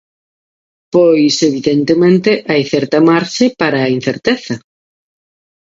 Pois, evidentemente, hai certa marxe para a incerteza.